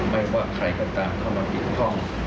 ไม่ว่าใครก็ตามเข้ามาเกี่ยวข้อง